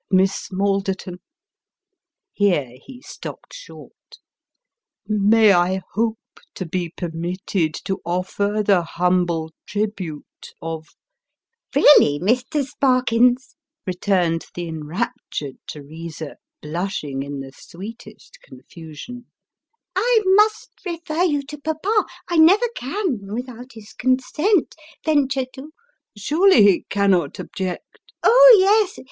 Miss Maldorton" here ho stopped short " may I hope to be permitted to offer the humble tribute of "" Keally, Mr. Sparkins," returned the enraptured Teresa, blushing in the sweetest confusion, " I must refer you to papa. I never can, without his consent, venture to " Surely he cannot object "" Oh, yes.